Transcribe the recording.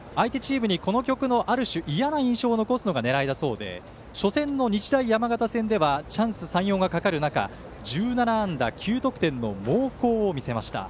相手チームに、この曲のある種、いやな印象を残すことが目的だそうで初戦の日大山形戦では１７安打、９得点の猛攻を見せました。